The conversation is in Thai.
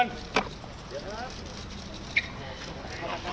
เพราะฉะนั้นเราก็ให้ความเป็นธรรมทุกคนอยู่แล้วนะครับ